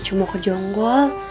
cucu mau ke jonggol